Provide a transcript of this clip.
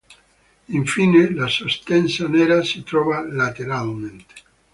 Infine, la sostanza nera si trova lateralmente.